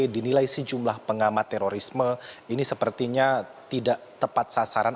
dinilai sejumlah pengamat terorisme ini sepertinya tidak tepat sasaran